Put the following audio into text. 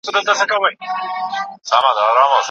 اروايي پوهه ګټوره ده.